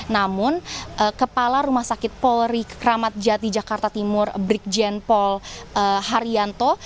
namun kepala rumah sakit polri kramat jati jakarta timur brikjen paul haryanto